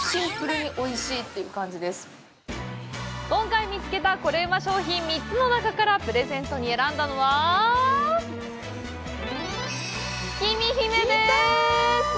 今回見つけたコレうま商品３つの中からプレゼントに選んだのは「きみひめ」です！